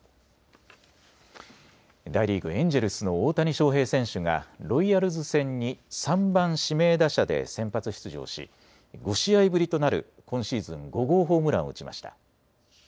大リーグ、エンジェルスの大谷翔平選手がロイヤルズ戦に３番・指名打者で先発出場し５試合ぶりとなる今シーズン５号ホームランを打ちました。